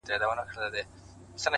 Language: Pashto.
• ټکي لوېږي د ورورۍ پر کړۍ ورو ورو,